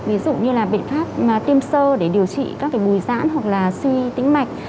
ví dụ như là biện pháp tiêm sơ để điều trị các cái bùi giãn hoặc là suy tĩnh mạch